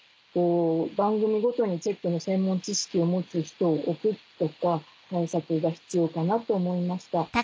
番組ごとにチェックの専門知識を持つ人を置くとか対策が必要かなと思いました。